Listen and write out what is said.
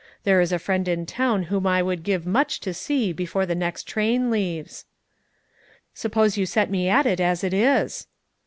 There is a friend in town whom I would give much to see before the next train leaves." "Suppose you set me at it as it is."